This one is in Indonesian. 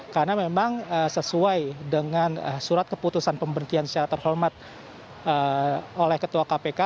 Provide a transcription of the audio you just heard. karena memang sesuai dengan surat keputusan pemberhentian secara terhormat oleh ketua kpk